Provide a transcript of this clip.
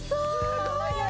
すごい！